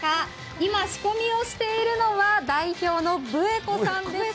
今仕込みをしているのは代表のブエコさんです。